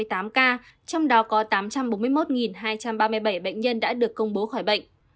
trong đó có tám trăm bốn mươi một hai trăm ba mươi bảy bệnh nhân đã được công bố khỏi bệnh